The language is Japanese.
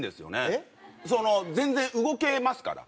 その全然動けますから。